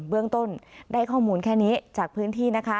เบื้องต้นได้ข้อมูลแค่นี้จากพื้นที่นะคะ